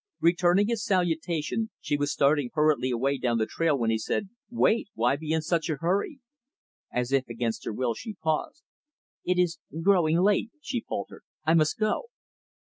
Returning his salutation, she was starting hurriedly away down the trail, when he said, "Wait. Why be in such a hurry?" As if against her will, she paused. "It is growing late," she faltered; "I must go."